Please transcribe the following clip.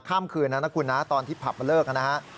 ข้ามคืนนะนะคุณนะตอนที่ผับมันเลิกนะฮะ